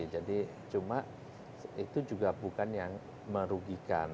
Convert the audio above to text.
jadi cuma itu juga bukan yang merugikan